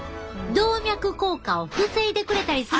動脈硬化を防いでくれたりするんやで！